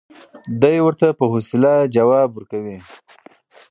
دی ورته په حوصله ځواب ورکوي.